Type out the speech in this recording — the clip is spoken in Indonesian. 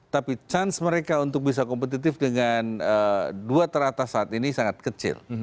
tapi chance mereka untuk bisa kompetitif dengan dua teratas saat ini sangat kecil